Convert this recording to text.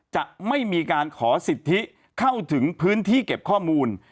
จะไม่มีการขอสิทธิเข้าถึงพื้นที่เก็บข้อมูล